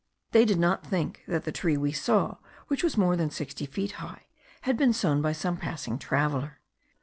They did not think that the tree we saw, which was more than sixty feet high, had been sown by some passing traveller.